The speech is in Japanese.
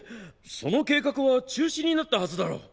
その計画は中止になったはずだろ。